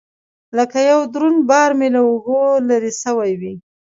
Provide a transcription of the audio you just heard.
لكه يو دروند بار مې له اوږو لرې سوى وي.